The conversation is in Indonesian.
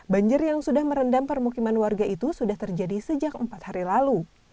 banjir yang sudah merendam permukiman warga itu sudah terjadi sejak empat hari lalu